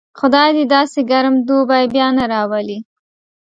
خدای دې داسې ګرم دوبی بیا نه راولي.